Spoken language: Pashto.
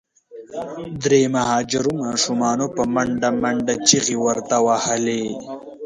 درې مهاجرو ماشومانو په منډه منډه چیغي ورته وهلې.